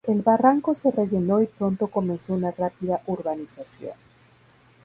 El barranco se rellenó y pronto comenzó una rápida urbanización.